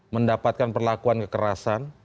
mendapatkan perlakuan kekerasan